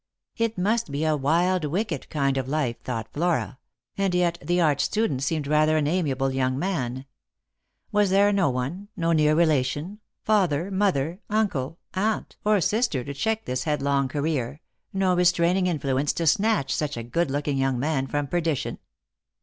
It must be a wild, wicked kind of life, thought Flora ; and yet the art student seemed rather an amiable young man. Was there no one — no near relation — father, mother, uncle, aunt, or sister to check this headlong career, no restraining influence to snatch such a good looking young man from per dition